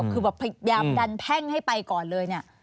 คือแบบพยายามดันแพ่งให้ไปก่อนเลยเนี่ย